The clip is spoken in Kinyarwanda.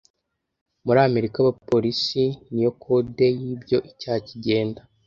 Muri Amerika abapolisi - niyo kode yibyo Icyaha kigenda